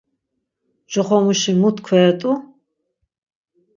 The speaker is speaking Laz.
Coxomuşi mu tkveret̆u?